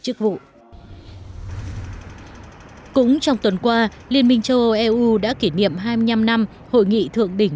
chức vụ cũng trong tuần qua liên minh châu âu eu đã kỷ niệm hai mươi năm năm hội nghị thượng đỉnh